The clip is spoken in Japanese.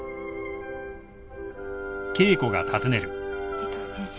江藤先生。